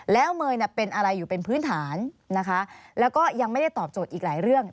แล้วเมย์เป็นอะไรอยู่เป็นพื้นฐานนะคะแล้วก็ยังไม่ได้ตอบโจทย์อีกหลายเรื่อง